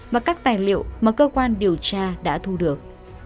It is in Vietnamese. và các tài liệu mà cơ quan điều tra đã thu được